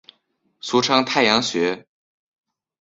俗称太阳穴。